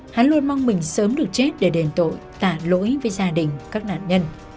hắn luôn mong mình sớm được chết để đền tội tả lỗi với gia đình các nạn nhân